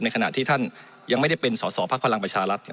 ขณะที่ท่านยังไม่ได้เป็นสอสอภักดิ์พลังประชารัฐ